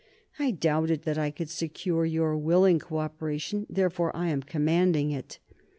"I doubted that I could secure your willing cooperation; therefore, I am commanding it.